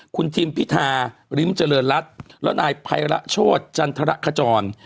คุณทิมพิธาริมเจริญรัฐและนายไพระโชธจันทรขจร